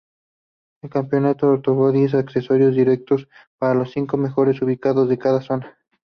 El campeonato otorgó diez ascensos directos para los cinco mejores ubicados de cada zona.